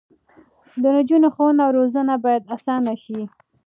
د نجونو ښوونه او روزنه باید اسانه شي.